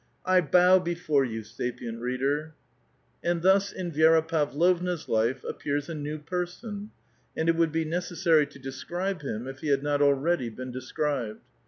I bow before you, sapient reader ! ^^^cl. thus in Vi^ra Pavlovna's life appears a new person, and it; would be necessary to describe him, if he had not already been described.